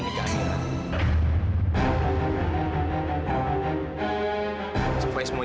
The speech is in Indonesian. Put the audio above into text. hentikan semua ini